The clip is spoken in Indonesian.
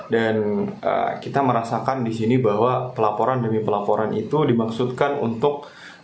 dan kita merasakan di sini bahwa pelaporan demi pelaporan itu dimaksudkan untuk